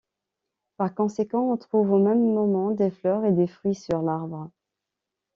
Par conséquent, on trouve au même moment des fleurs et des fruits sur l'arbre.